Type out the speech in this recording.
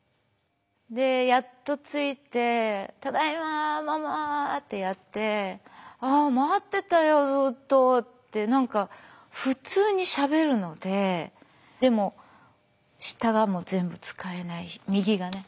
やっと着いて「ただいまママ！」ってやって「待ってたよずっと」って何か普通にしゃべるのででも下がもう全部使えない右がね。